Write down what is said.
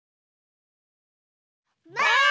ばあっ！